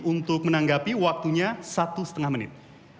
untuk menanggapi waktunya satu setengah menit